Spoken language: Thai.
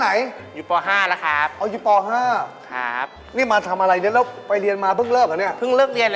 ไอ้หนูอยู่ชั้นไหนล่ะฉันดันฟ้าครับไอ้หนูอยู่ชั้นไหนล่ะ